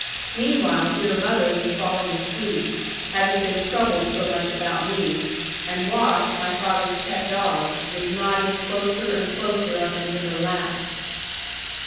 Meanwhile, dear mother was falling asleep, having been troubled so much about me; and Watch, my father's pet dog, was nodding closer and closer up into her lap.